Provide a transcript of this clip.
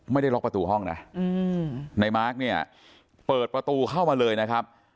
ไม่ได้ล็อกประตูห้องนะในมาร์คเนี่ยเปิดประตูเข้ามาเลยนะครับ